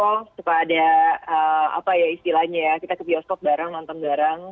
tolong suka ada apa ya istilahnya ya kita ke bioskop bareng nonton bareng